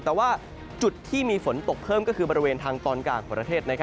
แต่ว่าจุดที่มีฝนตกเพิ่มก็คือบริเวณทางตอนกลางของประเทศ